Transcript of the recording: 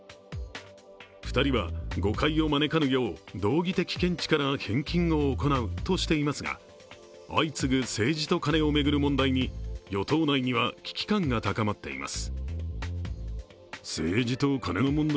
２人は、誤解を招かぬよう道義的見地から返金を行うとしていますが相次ぐ政治とカネを巡る問題に与党内には危機感が高まっています。